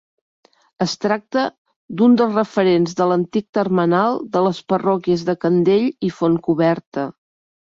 Es tracta d'un dels referents de l'antic termenal de les parròquies de Candell i Fontcoberta.